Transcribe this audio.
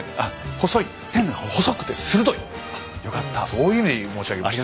そういう意味で申し上げました。